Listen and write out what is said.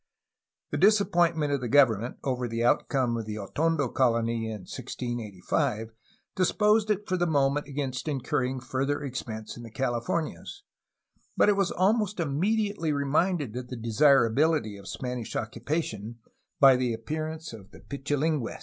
The disappointment of the government over the outcome of the Atondo colony in 1685 disposed it for the moment against incurring further expense in the Calif ornias, but it was almost immediately reminded of the desirability of Spanish occupation by the appearance of Pichilingues.